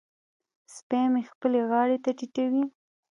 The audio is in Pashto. سپی مې خپلې غاړې ته ټيټوي.